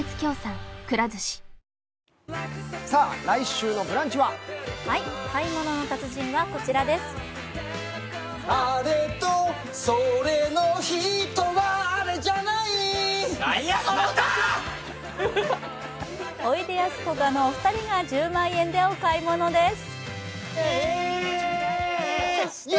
おいでやすこがのお二人が１０万円でお買い物です。